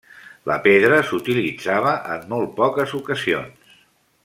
La pedra s'utilitzava en molt poques ocasions.